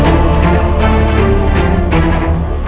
di seorang kadek